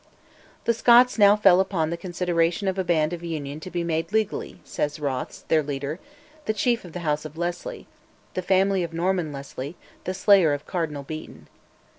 The Scots now "fell upon the consideration of a band of union to be made legally," says Rothes, their leader, the chief of the House of Leslie (the family of Norman Leslie, the slayer of Cardinal Beaton).